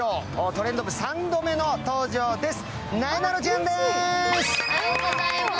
「トレンド部」３度目の登場です。